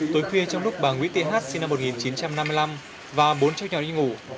tối khuya trong lúc bà nguyễn tị hát sinh năm một nghìn chín trăm năm mươi năm và bốn cháu nhỏ đi ngủ